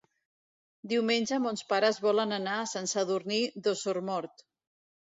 Diumenge mons pares volen anar a Sant Sadurní d'Osormort.